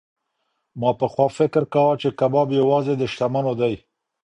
ما پخوا فکر کاوه چې کباب یوازې د شتمنو دی.